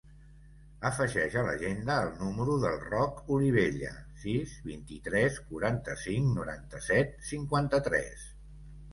Afegeix a l'agenda el número del Roc Olivella: sis, vint-i-tres, quaranta-cinc, noranta-set, cinquanta-tres.